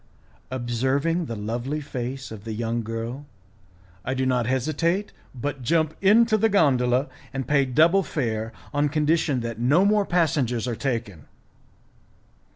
Observing the lovely face of the young girl, I do not hesitate, but jump into the gondola, and pay double fare, on condition that no more passengers are taken.